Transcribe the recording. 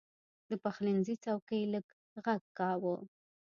د پخلنځي څوکۍ لږ غږ کاوه.